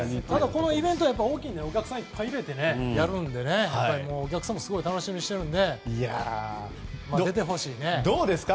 このイベント大きいのでお客さんをいっぱい入れてやるのでお客さんもすごい楽しみにしてるのでどうですか？